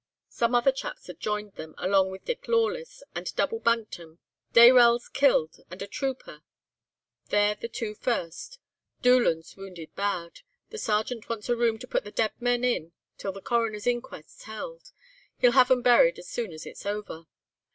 Some other chaps had joined them along with Dick Lawless, and double banked 'em. Dayrell's killed, and a trooper—they're the two first; Doolan's wounded bad. The Sergeant wants a room to put the dead men in till the Coroner's inquest's held; he'll have 'em buried as soon as it's over.